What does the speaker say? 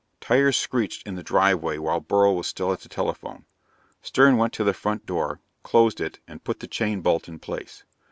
Tires screeched in the driveway while Beryl was still at the telephone. Stern went to the front door, closed it and put the chain bolt in place.